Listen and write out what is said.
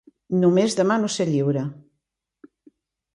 Només demano ser lliure.